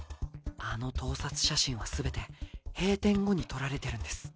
あの盗撮写真は全て閉店後に撮られてるんです。